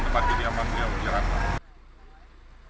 tempat diaman beliau di jawa barat